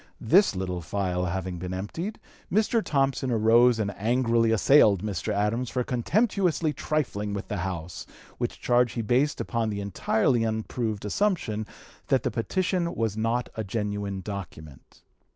This little phial having been emptied, Mr. Thompson arose and angrily assailed Mr. Adams for contemptuously trifling with the House, which charge he based upon the entirely unproved assumption that the petition was not a genuine document.